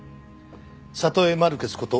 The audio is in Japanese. サトエ・マルケスこと